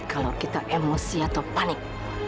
kalau kita emosi atau panik